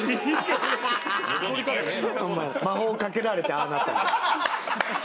魔法をかけられてああなった。